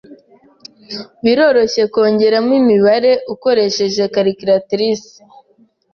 Biroroshye kongeramo imibare ukoresheje calculatrice.